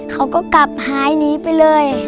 เขาก็กลับหายหนีไปเลย